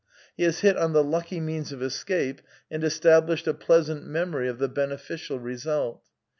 He has hit on the lucky means of escape, and established a pleasant memory of the beneficial result.